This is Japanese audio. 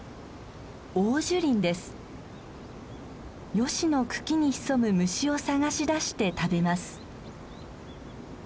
ヨシの茎に潜む虫を探し出して食べます。